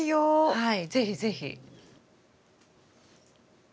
はい是非是非。